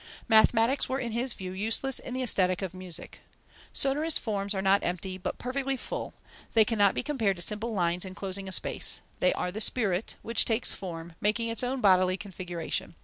Mathematics were in his view useless in the Aesthetic of music. "Sonorous forms are not empty, but perfectly full; they cannot be compared to simple lines enclosing a space; they are the spirit, which takes form, making its own bodily configuration.